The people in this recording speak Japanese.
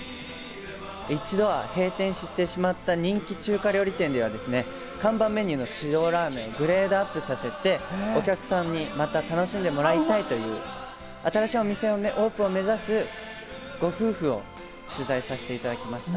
一度は閉店してしまった人気中華料理店では、看板メニューの塩ラーメンをグレードアップさせて、お客さんにまた楽しんでもらいたいという、新しいお店のオープンを目指すご夫婦を取材させていただきました。